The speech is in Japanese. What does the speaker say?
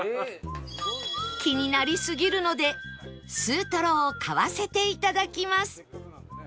気になりすぎるのですうとろを買わせていただきます